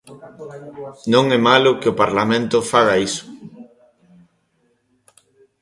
Non é malo que o Parlamento faga iso.